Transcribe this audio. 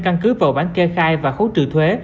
căn cứ vào bản kê khai và khấu trừ thuế